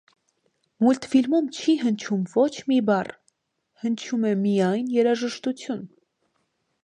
Մուլտֆիմում չի հնչում ոչ մի բառ, հնչում է միայն երաժշտություն։